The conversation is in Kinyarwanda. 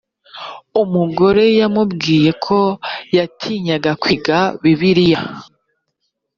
mugore yamubwiye ko yatinyaga kwiga bibiliya